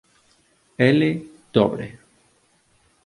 Ele dobre